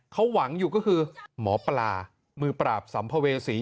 เขาหวังอยู่ก็คือหมอปลามือปราบสัมภเวษี